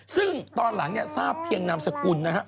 ซึ่งตอนหลังเนี่ยทราบเพียงนามสกุลนะฮะ